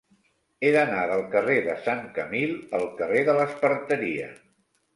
He d'anar del carrer de Sant Camil al carrer de l'Esparteria.